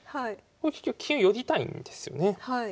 結局金寄りたいんですよね。